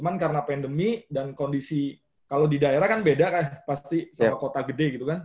cuman karena pandemi dan kondisi kalau di daerah kan beda kan pasti ser kota gede gitu kan